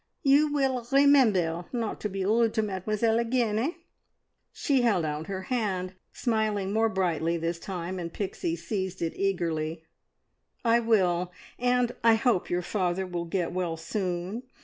You will remember not to be rude to Mademoiselle again, eh?" She held out her hand, smiling more brightly this time, and Pixie seized it eagerly. "I will! And I hope your father will get well soon.